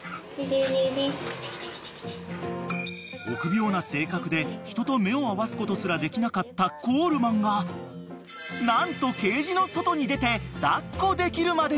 ［臆病な性格で人と目を合わすことすらできなかったコールマンが何とケージの外に出て］